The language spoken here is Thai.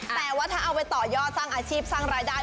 แต่ว่าถ้าเอาไปต่อยอดสร้างอาชีพสร้างรายได้